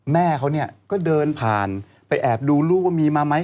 แม่เขาเนี่ยก็เดินผ่านไปแอบดูลูกว่ามีมาไหม